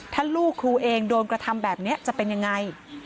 ถ้าลูกครูเองโดนกระทำแบบนี้จะเป็นยังไง